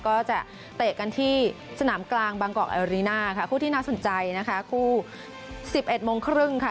ก็จะเตะกันที่สนามกลางบางกอกแอริน่าค่ะคู่ที่น่าสนใจนะคะคู่๑๑โมงครึ่งค่ะ